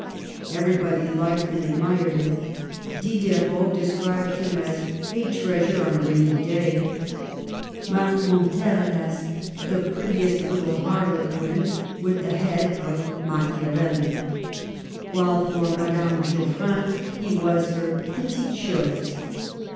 Everybody liked and admired him ; Diderot described him as " a treasure on a rainy day"; Marmontel as "the prettiest little harlequin," with "the head of Macchiavelli "; while, for Madame Geoffrin, he was her petite chose.